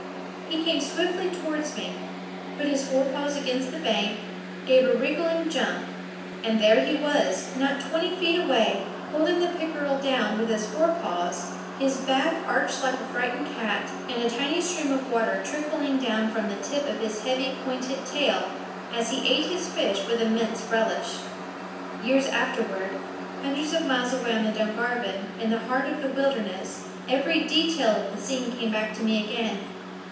He came swiftly towards me, put his fore paws against the bank, gave a wriggling jump, and there he was, not twenty feet away, holding the pickerel down with his fore paws, his back arched like a frightened cat, and a tiny stream of water trickling down from the tip of his heavy pointed tail, as he ate his fish with immense relish. Years afterward, hundreds of miles away on the Dungarvon, in the heart of the wilderness, every detail of the scene came back to me again.